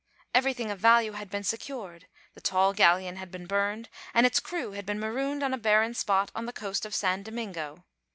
Everything of value had been secured, the tall galleon had been burned, and its crew had been marooned on a barren spot on the coast of San Domingo.